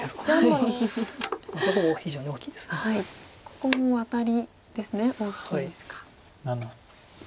ここもワタリですね大きいですか。